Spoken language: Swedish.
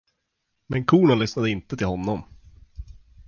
Men korna lyssnade inte till honom.